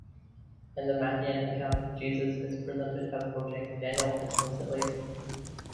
In the Matthean account, Jesus is presented as quoting Daniel explicitly.